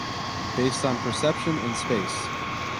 Based on perception in space.